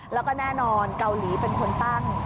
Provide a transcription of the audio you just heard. แล้วก็แน่นอนเกาหลีเป็นคนตั้ง